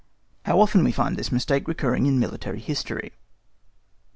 How often we find this mistake recurring in military history.